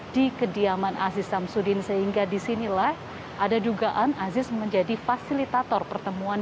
di kediaman aziz samsudin sehingga disinilah ada dugaan aziz menjadi fasilitator pertemuan